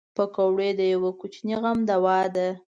پکورې د یوه کوچني غم دوا ده